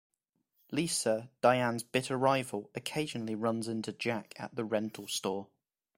Lisa, Diane's bitter rival, occasionally runs into Jack at the rental store.